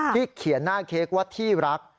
เขียนหน้าเค้กว่าที่รัก